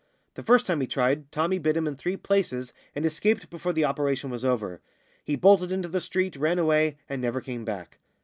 The first time he tried Tommy bit him in three places, and escaped before the operation was over. He bolted into the street, ran away, and never came back.